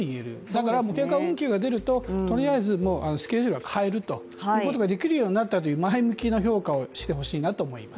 だから計画運休が出るととりあえずスケジュールは変えるということができるようになったという前向きな評価をしてほしいなと思います。